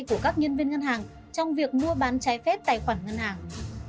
của các nhân viên ngân hàng trong việc mua bán trái phép tài khoản ngân hàng